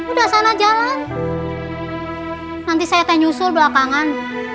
udah sana jalan nanti saya tenyusul belakangan